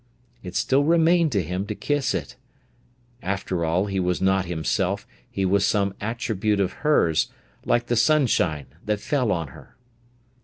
It still remained to him to kiss it. After all, he was not himself, he was some attribute of hers, like the sunshine that fell on her.